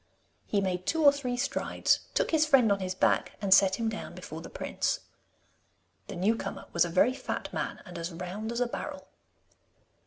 He made two or three strides, took his friend on his back, and set him down before the prince. The new comer was a very fat man, and as round as a barrel.